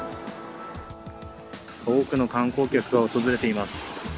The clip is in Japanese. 多くの観光客が訪れています。